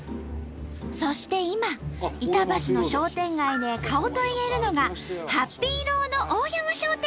そして今板橋の商店街で顔といえるのが何でもあります